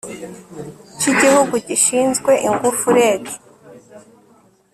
cy Igihugu Gishinzwe Ingufu REG